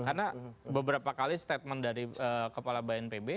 karena beberapa kali statement dari kepala bnpb